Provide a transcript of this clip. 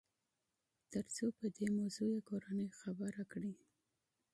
تر څو په دې موضوع يې کورنۍ خبره کړي.